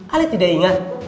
ale tidak ingat